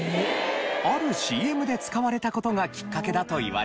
あるＣＭで使われた事がきっかけだといわれています。